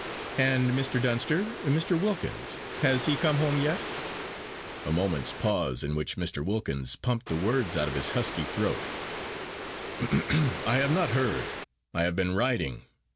"And Mr. Dunster, Mr. Wilkins, has he come home yet?" A moment's pause, in which Mr. Wilkins pumped the words out of his husky throat: "I have not heard. I have been riding.